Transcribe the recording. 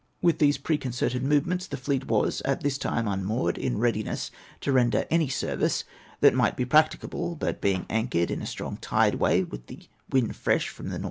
With these preconcerted movements the fleet was at this time unmoored, in readiness to render any service that might be practicable ; but being anchored in a strong tide way, with the wind fresh from the N.W.